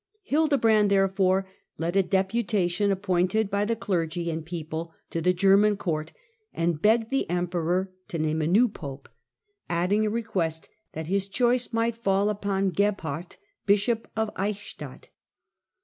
Hildebrand therefore led a deputation, appointed by the clergy and people, to the German Court, and begged the emperor to name a new pope, adding a request that his choice might fall upon Gebhard, bishop of Eichstadt.